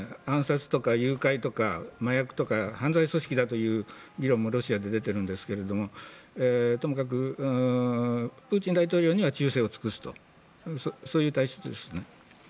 暗殺とか誘拐とか麻薬とか犯罪組織だという議論もロシアで出ているんですけどもともかく、プーチン大統領には忠誠を尽くすとそういう体質ですね。